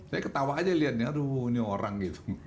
saya ketawa aja lihat ya aduh ini orang gitu